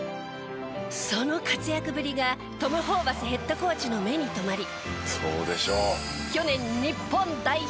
その活躍ぶりがトム・ホーバスヘッドコーチの目に留まり。